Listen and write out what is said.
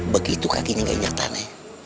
begitu kakinya gak nyertane